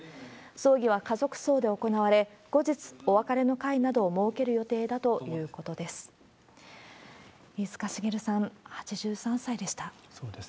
葬儀は家族葬で行われ、後日、お別れの会などを設ける予定だということです。